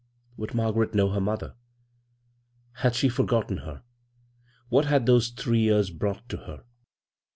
Would Margaret know her mother? Had she forgotten her ? What had those three years brought to her